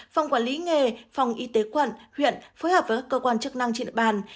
phòng quản lý nghề phòng y tế quận huyện phối hợp với các cơ quan chức năng trên địa bàn